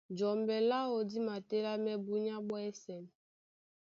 Jɔmbɛ láō dí matélámɛ́ búnyá ɓwɛ́sɛ̄.